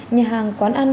nhà hàng quán ăn